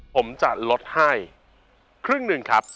ผมจะลดให้ครึ่งหนึ่งครับ